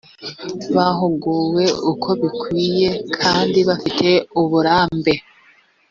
bahuguwe uko bikwiye kandi bafite uburambe